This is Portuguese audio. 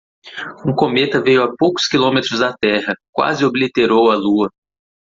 Um cometa veio a poucos quilômetros da Terra, quase obliterou a lua.